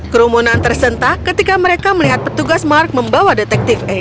kerumunan tersentak ketika mereka melihat petugas mark membawa detektif a